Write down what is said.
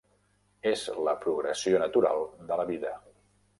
És la progressió natural de la vida.